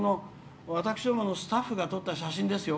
私どものスタッフが撮った写真ですよ。